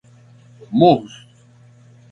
Morros